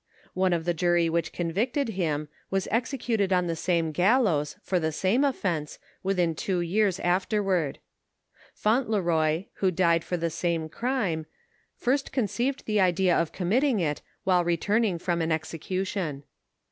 One of the jury which convicted him, was executed on the same gallows, for the same offense, within two years afterward. Fauntferoy, who died for the same crime, first conceived the idea of committing it, while returning from an execution.